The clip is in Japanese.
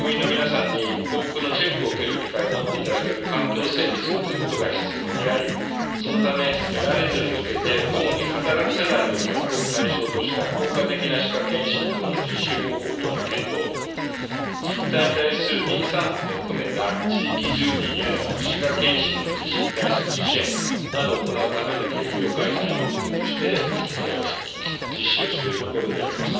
広く国民の皆さんに口腔のチェックを受ける機会を持っていただける環境を整備するということが必要であり、そのため、来年度に向けて主に働く世代を対象とした効果的な歯科健診等の実施方法等の検討、実態に対する妊産婦も含めた地域住民への歯科健診の実施に対する支援などを行うための経費を概算要求として実施をしているところであります。